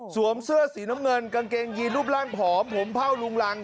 เสื้อสีน้ำเงินกางเกงยีนรูปร่างผอมผมเผ่าลุงรัง